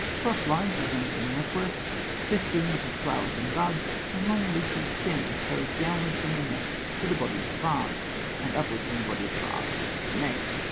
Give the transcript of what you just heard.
223), cross lines resembling network, festoons of flowers and buds, and long leafy stems carried downward from the neck to the body of the vase, and upward from the body of the vase to the neck.